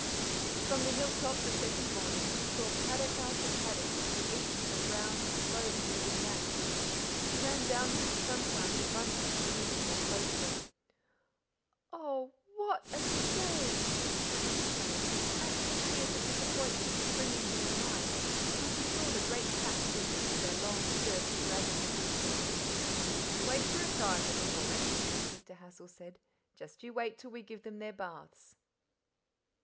From the hill top the second morning she saw paddock after paddock, each with a brown, slowly moving mass; she ran down through the sunshine with Bunty to view them more closely. "Oh, WHAT a shame!" she exclaimed, actual tears of disappointment springing to her eyes when she saw the great fat things with their long, dirty, ragged looking fleece. "Wait for a time, little woman," Mr. Hassal said; "just you wait till we give them their baths."